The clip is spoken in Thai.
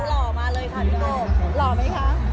หล่อมาเลยค่ะพี่โอหล่อไหมคะ